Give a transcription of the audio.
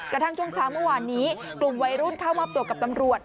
กระทั่งช่วงเช้าเมื่อวานนี้กลุ่มวัยรุ่นเข้ามอบตัวกับตำรวจ